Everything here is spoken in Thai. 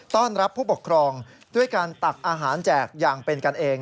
ต้อนรับผู้ปกครองด้วยการตักอาหารแจกอย่างเป็นกันเอง